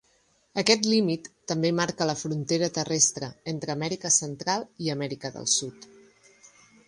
Aquest límit també marca la frontera terrestre entre Amèrica Central i Amèrica del Sud.